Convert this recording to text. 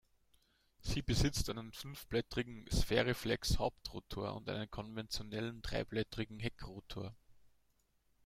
Sie besitzt einen fünfblättrigen Spheriflex-Hauptrotor und einen konventionellen dreiblättrigen Heckrotor.